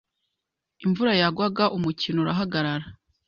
Imvura yagwaga umukino urahagarara.